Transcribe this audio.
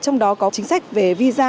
trong đó có chính sách về visa